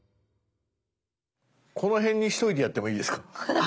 この辺にしといてやってもいいですか。